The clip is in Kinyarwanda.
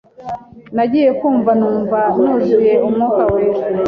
Nagiye kumva numva nuzuye umwuka wera